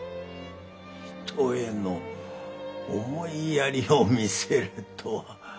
人への思いやりを見せるとは。